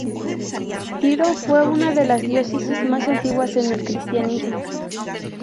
Tiro fue una de las diócesis más antiguas en el cristianismo.